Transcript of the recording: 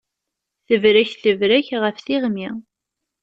Tebrek tebrek ɣef tiɣmi